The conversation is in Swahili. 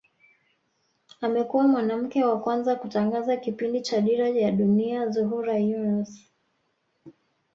Amekuwa mwanamke wa kwanza kutangaza kipindi cha Dira ya Dunia Zuhura Yunus